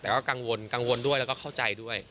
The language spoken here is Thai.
แต่ก็กังวลกังวลด้วยแล้วก็เข้าใจด้วย